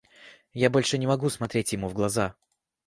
Я больше не мог смотреть ему в глаза.